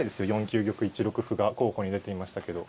４九玉１六歩が候補に出ていましたけど。